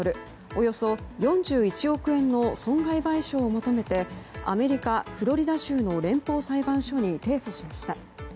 およそ４１億円の損害賠償を求めてアメリカ・フロリダ州の連邦裁判所に提訴しました。